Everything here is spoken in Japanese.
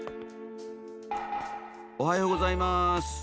おはようございまーす。